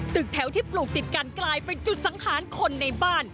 ตึกแถวที่ปลูกติดกันกลายเป็นจุดสังหารคนในบ้าน